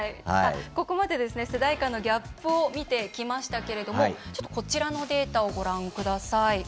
ここまで世代間のギャップを見てきましたけれどもこちらのデータをご覧ください。